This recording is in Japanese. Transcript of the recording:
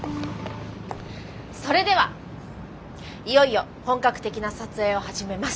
それではいよいよ本格的な撮影を始めます。